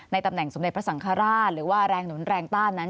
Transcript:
ตำแหน่งสมเด็จพระสังฆราชหรือว่าแรงหนุนแรงต้านนั้น